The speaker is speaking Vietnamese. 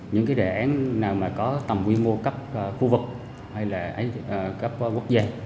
những đề án nào có tầm quy mô cấp khu vực hay cấp quốc gia